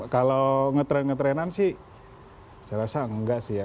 kalau ngetren ngetrenan sih saya rasa nggak sih ya